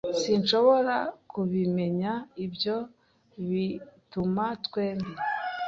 "Sinshobora kubimenya." "Ibyo bituma twembi."